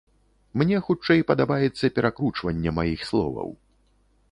Мне хутчэй падабаецца перакручванне маіх словаў.